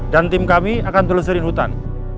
dan tim kami akan telusurin hutan